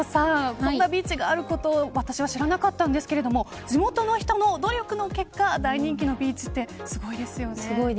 こんなビーチがあることを私は知らなかったんですけど地元の人の努力の結果大人気のビーチってすごいですよね。